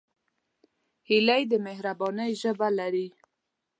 هیلۍ د مهربانۍ ژبه لري